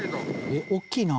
「大きいな」